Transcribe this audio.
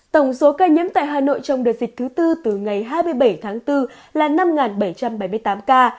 tổng số ca nhiễm tại hà nội trong đợt dịch thứ tư từ ngày hai mươi bảy tháng bốn là năm bảy trăm bảy mươi tám ca